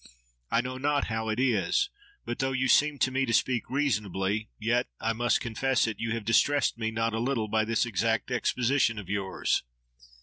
I know not how it is; but though you seem to me to speak reasonably, yet (I must confess it) you have distressed me not a little by this exact exposition of yours.